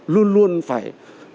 lực lượng cảnh sát và chiến sĩ nói riêng